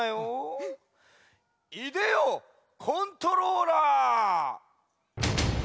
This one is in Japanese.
いでよコントローラー！